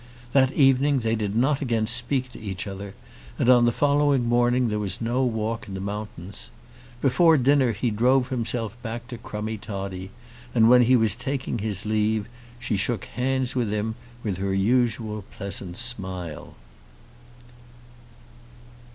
That evening they did not again speak to each other, and on the following morning there was no walk to the mountains. Before dinner he drove himself back to Crummie Toddie, and when he was taking his leave she shook hands with him with her usual pleasant smile.